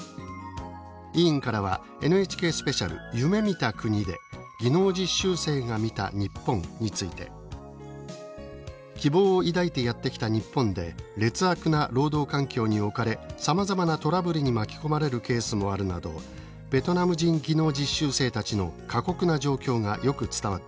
委員からはＮＨＫスペシャル「夢見た国で技能実習生が見たニッポン」について「希望を抱いてやって来た日本で劣悪な労働環境に置かれさまざまなトラブルに巻き込まれるケースもあるなどベトナム人技能実習生たちの過酷な状況がよく伝わってきた」